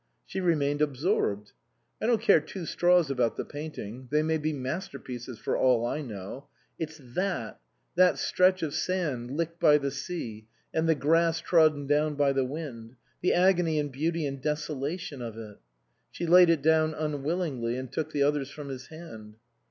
She remained absorbed. "I don't care two straws about the painting ; they may be master pieces for all I know ; it's that that stretch of sand licked by the sea, and the grass trodden down by the wind the agony and beauty and desolation of it " She laid it down unwil lingly, and took the others from his hand.